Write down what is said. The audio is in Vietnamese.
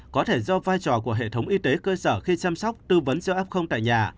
có thể do vai trò của hệ thống y tế cơ sở khi chăm sóc tư vấn co f tại nhà